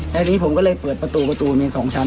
แล้วทีนี้ผมก็เลยเปิดประตูประตูมี๒ชั้น